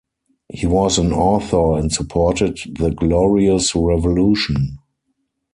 He was an author and supported the Glorious Revolution.